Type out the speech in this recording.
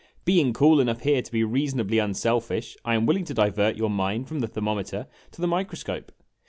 Being cool enough here to be reasonably unselfish, I am willing to divert your mind from the thermometer to the microscope.